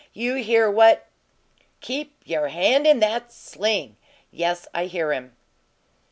"You hear what " "Keep you hand in that sling! Yes, I hear him."